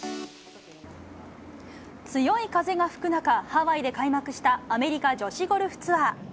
強い風が吹く中、ハワイで開幕したアメリカ女子ゴルフツアー。